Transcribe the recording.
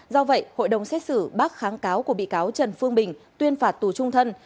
do vậy hội đồng xét xử bác kháng cáo của bị cáo trần phương bình tuyên phạt tù trung thân